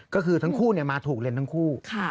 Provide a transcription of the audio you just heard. ก็คือทั้งคู่มาถูกเลนส์ทั้งคู่